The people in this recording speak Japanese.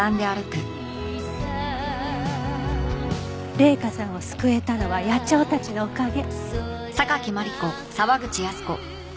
麗華さんを救えたのは野鳥たちのおかげ。